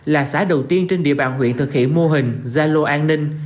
là xã đầu tiên trên địa bàn huyện thực hiện mô hình gia lô an ninh